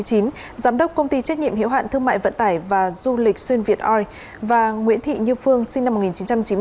giám đốc công ty trách nhiệm hiệu hạn thương mại vận tải và du lịch xuyên việt oi và nguyễn thị như phương sinh năm một nghìn chín trăm chín mươi bốn